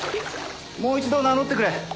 もう一度名乗ってくれ。